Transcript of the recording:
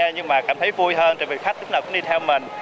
nhưng mà cảm thấy vui hơn vì khách lúc nào cũng đi theo mình